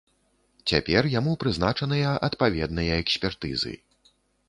Цяпер яму прызначаныя адпаведныя экспертызы.